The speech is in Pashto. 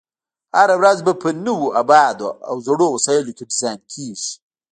هره ورځ به په نویو ابعادو او زړو وسایلو کې ډیزاین کېږي.